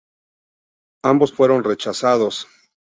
Ambos fueron rechazados.